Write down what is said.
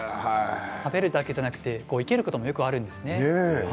食べるだけじゃなくて生けることもよくあるんです。